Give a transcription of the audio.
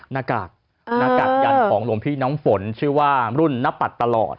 นากาศยันต์ของหลวงพี่น้องฝนชื่อว่ารุ่นนับปัดตลอด